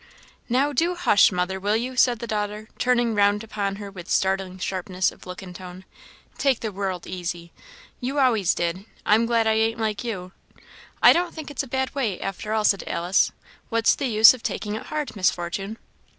"Now, do hush, mother, will you!" said the daughter, turning round upon her with startling sharpness of look and tone; " 'take the world easy!' you always did; I am glad I ain't like you." "I don't think it's a bad way, after all," said Alice; "what's the use of taking it hard, Miss Fortune?"